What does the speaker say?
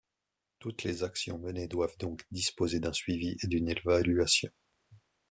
Toutes les actions menées doivent donc disposer d’un suivi et d’une évaluation.